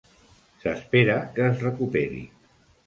S'espera que es recuperi.